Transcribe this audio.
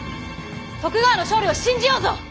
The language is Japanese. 徳川の勝利を信じようぞ！